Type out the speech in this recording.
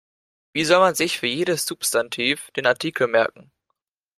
Wie soll man sich für jedes Substantiv den Artikel merken?